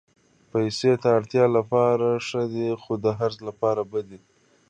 پېسې د اړتیا لپاره ښې دي، خو د حرص لپاره بدې.